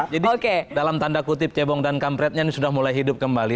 jadi dalam tanda kutip cebong dan kampretnya ini sudah mulai hidup kembali